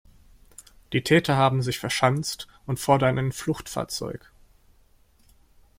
Die Täter haben sich verschanzt und fordern ein Fluchtfahrzeug.